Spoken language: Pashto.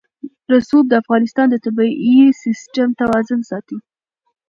رسوب د افغانستان د طبعي سیسټم توازن ساتي.